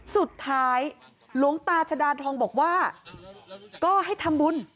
หลวงตาชดานทองบอกว่าก็ให้ทำบุญ